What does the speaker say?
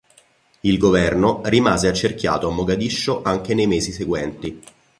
Il Governo rimase accerchiato a Mogadiscio anche nei mesi seguenti.